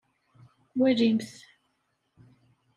Walimt.